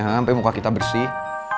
sampai muka kita bersih